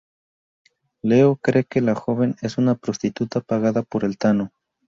Leo cree que la joven es una prostituta pagada por el Tano.